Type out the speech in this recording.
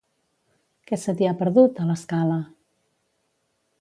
Què se t'hi ha perdut, a L'Escala?